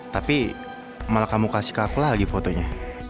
tapi malah kamu kasih ke aku lagi fotonya